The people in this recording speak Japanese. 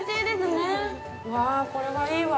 ◆うわあ、これはいいわ。